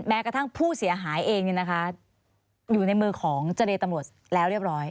กระทั่งผู้เสียหายเองอยู่ในมือของเจรตำรวจแล้วเรียบร้อย